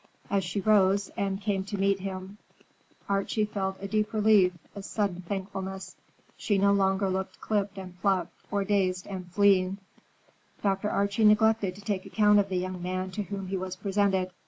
As she rose, and came to meet him, Archie felt a deep relief, a sudden thankfulness. She no longer looked clipped and plucked, or dazed and fleeing. Dr. Archie neglected to take account of the young man to whom he was presented.